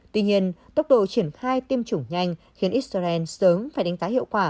tuy nhiên tốc độ triển khai tiêm chủng nhanh khiến israel sớm phải đánh giá hiệu quả